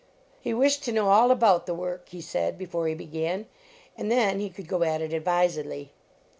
He wished to know all about the work, he said, before he began, and then he could go at it advisedly.